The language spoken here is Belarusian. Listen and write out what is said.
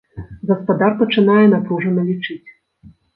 Гаспадар пачынае напружана лічыць.